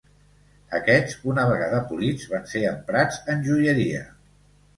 Aquests, una vegada polits, van ser emprats en joieria.